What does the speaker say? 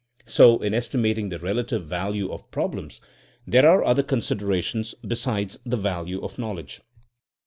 So in estimating the relative value of problems, there are other considerations be sides the value of knowledge.